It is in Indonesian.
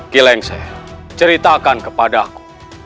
kilengsel ceritakan kepadaku